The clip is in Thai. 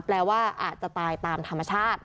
แปลว่าอาจจะตายตามธรรมชาติ